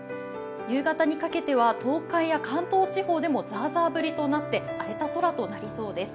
夕方にかけては東海や関東地方でもザーザー降りとなって荒れた空となりそうです。